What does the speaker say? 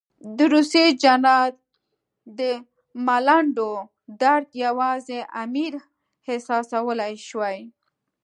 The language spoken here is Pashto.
د روسي جنرال د ملنډو درد یوازې امیر احساسولای شوای.